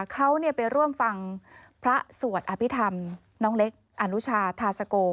เขาไปร่วมฟังพระสวดอภิษฐรรมน้องเล็กอนุชาธาสโก